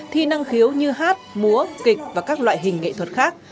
thi năng khiếu như hát múa kịch và các loại hình nghệ thuật khác